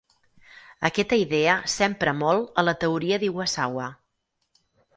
Aquesta idea s'empra molt a la teoria d'Iwasawa.